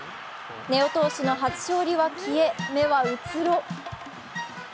根尾投手の初勝利は消え、目はうつろ。